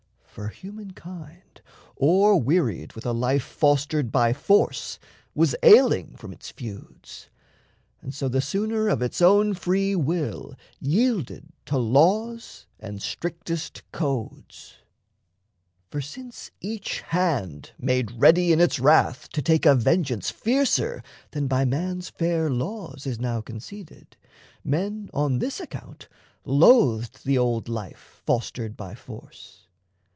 For humankind, o'er wearied with a life Fostered by force, was ailing from its feuds; And so the sooner of its own free will Yielded to laws and strictest codes. For since Each hand made ready in its wrath to take A vengeance fiercer than by man's fair laws Is now conceded, men on this account Loathed the old life fostered by force.